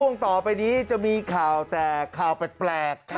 ต่อไปนี้จะมีข่าวแต่ข่าวแปลก